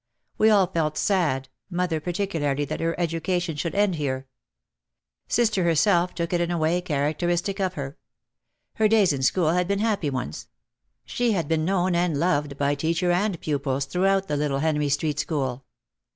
We all felt sad, mother particularly, that her education should end here. Sister herself took it in a way charac teristic of her. Her days in school had been happy ones. She had been known and loved by teacher and pupils throughout the little Henry Street school.